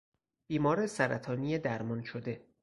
بیمار سرطانی درمان شده